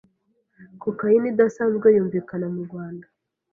Cocaine idasanzwe yumvikana mu Rwanda